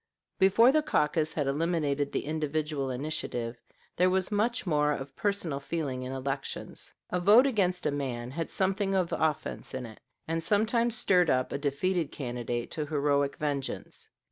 Before the caucus had eliminated the individual initiative, there was much more of personal feeling in elections. A vote against a man had something of offense in it, and sometimes stirred up a defeated candidate to heroic vengeance.